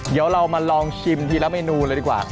เดี๋ยวเรามาลองชิมทีละเมนูเลยดีกว่า